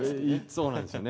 そうなんですよね。